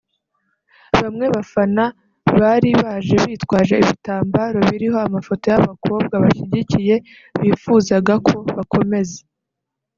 Bamwe bafana bari baje bitwaje ibitambaro biriho amafoto y’abakobwa bashyigikiye bifuzaga ko bakomeza